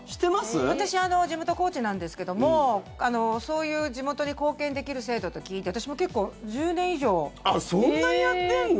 私、地元が高知なんですけどもそういう地元に貢献できる制度と聞いてそんなにやってんの？